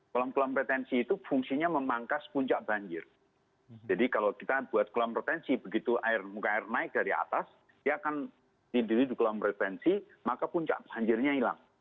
kolam kolam retensi itu fungsinya memangkas puncak banjir jadi kalau kita buat kolam retensi begitu air muka air naik dari atas dia akan didiri di kolam retensi maka puncak banjirnya hilang